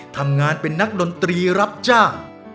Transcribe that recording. ทำงานเป็นนักดนตรีรับจ้าง